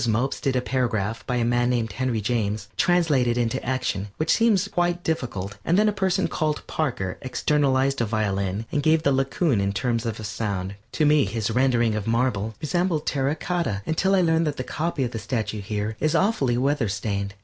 Mopes did a paragraph by a man named Henry James, translated into action, which seemed quite difficult, and then a person called Parker externalized a violin and gave the Laocoon in terms of sound. To me his rendering of marble resembled terra cotta until I learned that the copy of the statue here is awfully weatherstained.